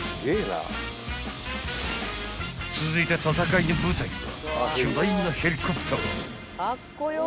［続いて戦いの舞台は］